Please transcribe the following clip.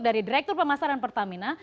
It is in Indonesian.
dari direktur pemasaran pertamina